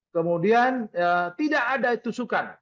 kemudian tidak ada tusukan